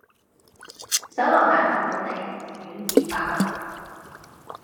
手榴彈見到你，情願自爆